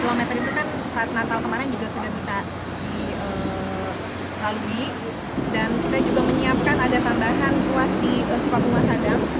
kita menyiapkan ada tambahan ruas di sukabunga sadang